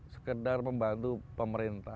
sekedar membantu pemerintah